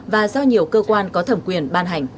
và do nhiều cơ quan có thẩm quyền ban hành